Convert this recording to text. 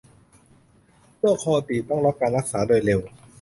โรคคอตีบต้องรับการรักษาโดยเร็ว